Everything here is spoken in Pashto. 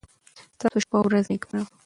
ستاسو شپه او ورځ نېکمرغه.